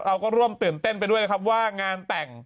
เราก็ร่วมตื่นเต้นไปด้วยนะครับว่างานแต่ง